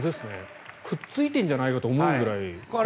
くっついてるんじゃと思うぐらい。